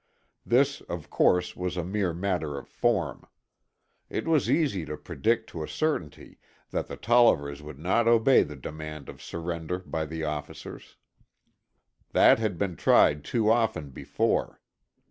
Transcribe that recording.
This, of course, was a mere matter of form. It was easy to predict to a certainty that the Tollivers would not obey the demand of surrender by the officers. That had been tried too often before.